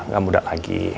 gak muda lagi